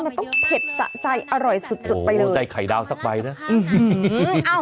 มันต้องเผ็ดสตใจอร่อยสุดสุดไปเลยโหใจไข่กราวสักไปอื้อ